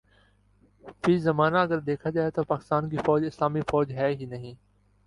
فی زمانہ اگر دیکھا جائے تو پاکستان کی فوج اسلامی فوج ہے ہی نہیں